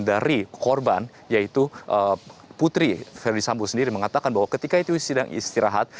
dikorban yaitu putri ferdisambu sendiri mengatakan bahwa ketika itu sedang istirahat